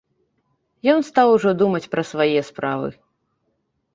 Ён стаў ужо думаць пра свае справы.